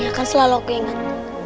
aku akan selalu ingat